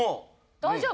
大丈夫？